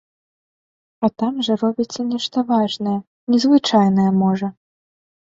А там жа робіцца нешта важнае, незвычайнае, можа.